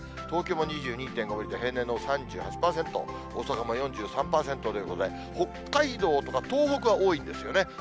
東京も２２．５ミリと平年の３８％、大阪も４３％ということで、北海道とか東北は多いんですよね。